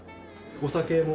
お酒も。